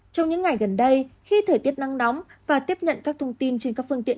trong những ngày gần đây khi thời tiết nắng nóng và tiếp nhận các thông tin trên các phương tiện